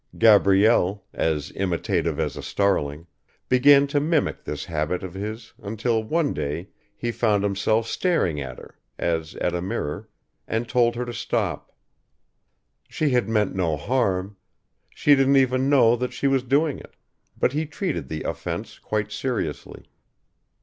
Gabrielle, as imitative as a starling, began to mimic this habit of his until one day he found himself staring at her, as at a mirror, and told her to stop. She had meant no harm; she didn't even know that she was doing it, but he treated the offence quite seriously.